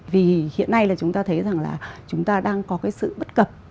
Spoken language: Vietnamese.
vì hiện nay là chúng ta thấy rằng là chúng ta đang có cái sự bất cập